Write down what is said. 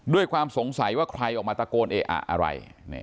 ด้วยความสงสัยว่าใครออกมาตะโกนเออะอะไร